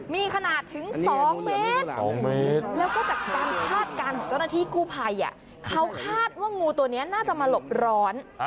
มีขนาดถึง๒เมตร๒เมตรแล้วก็จากการคาดการณ์ของเจ้าหน้าที่กู้ภัยเขาคาดว่างูตัวนี้น่าจะมาหลบร้อน